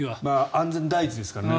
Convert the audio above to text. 安全第一ですからね。